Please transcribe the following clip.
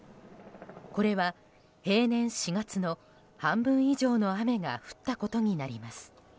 これは平年４月の半分以上の雨が降ったことになります。